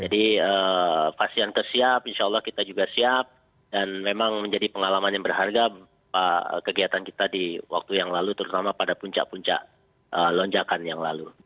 jadi pasien kes siap insya allah kita juga siap dan memang menjadi pengalaman yang berharga kegiatan kita di waktu yang lalu terutama pada puncak puncak lonjakan yang lalu